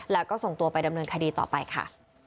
แล้วก็ส่งตัวไปดำเนินคดีต่อไปค่ะ